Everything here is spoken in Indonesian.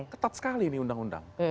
ketat sekali ini undang undang